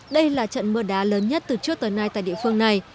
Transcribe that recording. đây là trận mưa đá lớn nhất từ trước tới nay tại địa phương này